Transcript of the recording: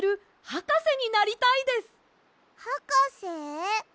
はかせ？